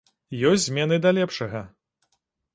Ёсць змены да лепшага.